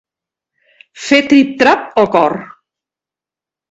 Fer trip-trap el cor.